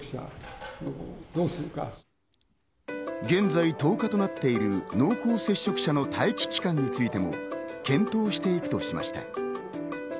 現在、１０日となっている濃厚接触者の待機期間についても、検討していくとしました。